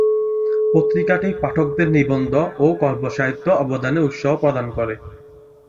পত্রিকাটি পাঠকদের নিবন্ধ ও কল্পসাহিত্য-অবদানে উৎসাহ প্রদান করে।